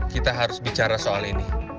kita harus bicara soal ini